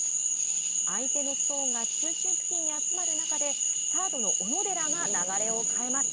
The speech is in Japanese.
相手のストーンが中心付近に集まる中でサードの小野寺が流れを変えます。